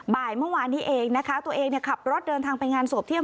บ่ายเมื่อวานนี้เองนะคะตัวเองขับรถเดินทางไปงานสวดเที่ย